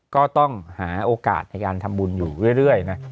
ก็ต้องหาโอกาสในการทำบุญอยู่เรื่อยนะ